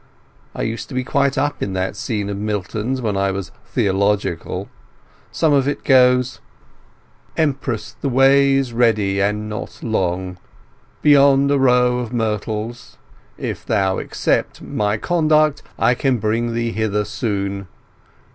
I used to be quite up in that scene of Milton's when I was theological. Some of it goes— 'Empress, the way is ready, and not long, Beyond a row of myrtles.... ... If thou accept My conduct, I can bring thee thither soon.